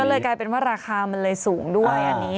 ก็เลยกลายเป็นว่าราคามันเลยสูงด้วยอันนี้